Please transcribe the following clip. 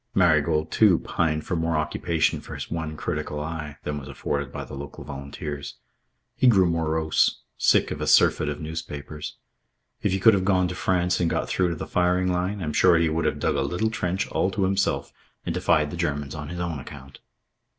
Marigold, too, pined for more occupation for his one critical eye than was afforded by the local volunteers. He grew morose, sick of a surfeit of newspapers. If he could have gone to France and got through to the firing line, I am sure he would have dug a little trench all to himself and defied the Germans on his own account.